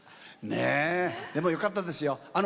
でも、よかったですよ。